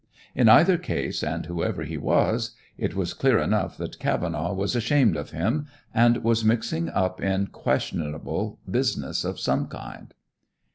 In either case, and whoever he was, it was clear enough that Cavenaugh was ashamed of him and was mixing up in questionable business of some kind.